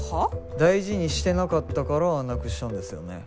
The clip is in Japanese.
大事にしてなかったからなくしちゃうんですよね。